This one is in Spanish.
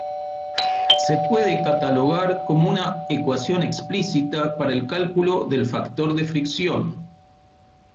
Se puede catalogar como una ecuación explícita para el cálculo del factor de fricción.